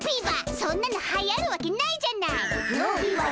そんなのはやるわけないじゃないっ！